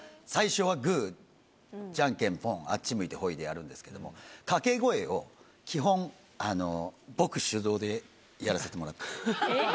最初はグじゃんけんポンあっち向いてホイでやるんですけども掛け声を基本僕主導でやらせてもらって。